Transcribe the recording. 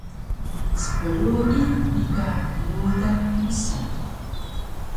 “Sprui bi ka rudan” msa